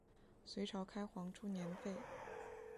隋朝开皇初年废。